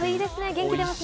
元気が出ますね。